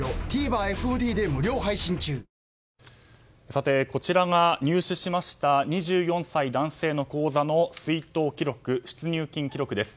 さて、こちらが入手しました２４歳男性の口座の出納記録出入金記録です。